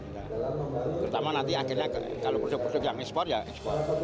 nah terutama nanti akhirnya kalau produk produk yang ekspor ya ekspor